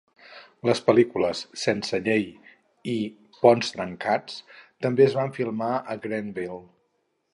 Les pel·lícules "Sense llei" i "Ponts trencats" també es van filmar a Grantville.